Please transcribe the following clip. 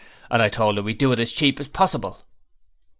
And I told 'er we'd do it as cheap as possible.'